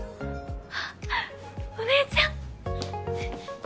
あお姉ちゃん。